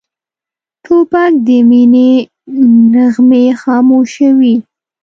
توپک د مینې نغمې خاموشوي.